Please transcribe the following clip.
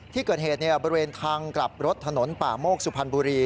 ที่เกิดเหตุบริเวณทางกลับรถถนนป่าโมกสุพรรณบุรี